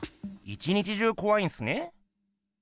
一日中こわいんすね？